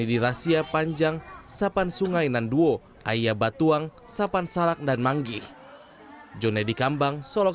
dirahsiakanjang sapan sungai nanduo ayah batuang sapan salak dan manggih jonedi kambang solok